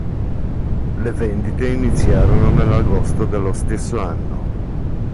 Le vendite iniziarono nell'agosto dello stesso anno.